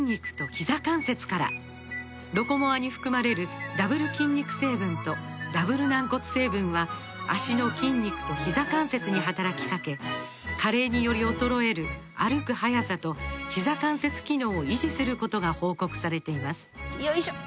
「ロコモア」に含まれるダブル筋肉成分とダブル軟骨成分は脚の筋肉とひざ関節に働きかけ加齢により衰える歩く速さとひざ関節機能を維持することが報告されていますよいしょっ！